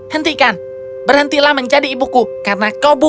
hentikan berhentilah menjadi ibuku karena kau bukan kau bukan anakku